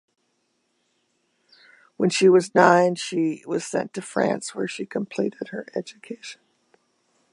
When she was nine she was sent to France where she completed her education.